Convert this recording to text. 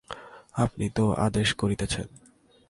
আপনি তো আদেশ করিতেছেন?